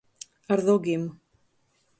Ar rogim.